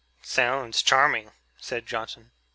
"Sounds charming," said Johnson.